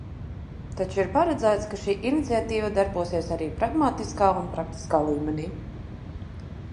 Taču ir paredzēts, ka šī iniciatīva darbosies arī pragmatiskā un praktiskā līmenī.